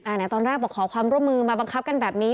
ไหนตอนแรกบอกขอความร่วมมือมาบังคับกันแบบนี้